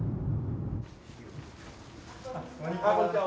こんにちは。